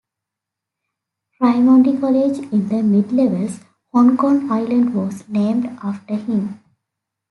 Raimondi College in the Mid-levels, Hong Kong Island was named after him.